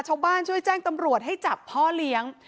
ช่วยแจ้งตำรวจให้จับพ่อเลี้ยง